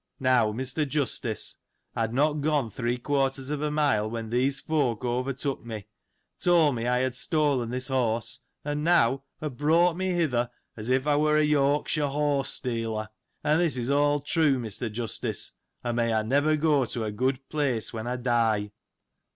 Now, Mr. Justice, I had not gone three quarters of a mile, when these folk overtook me ; told me I had stolen this horse ; and now, have brought me hither, as if I were a York shire horsestealer. And this is all true, Mr. Justice, or may I never go to a good place when I die.